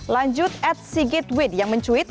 lanjut ed sigit wid yang mencuit